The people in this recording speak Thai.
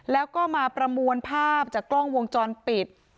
แล้วก็มาประมวลภาพจากกล้องวงจรปิด